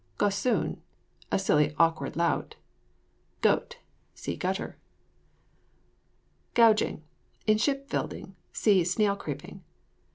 GOSSOON. A silly awkward lout. GOTE. See GUTTER. GOUGING. In ship building (see SNAIL CREEPING).